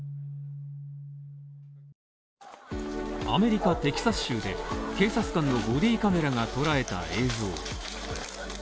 アメリカ・テキサス州で警察官のボディーカメラがとらえた映像。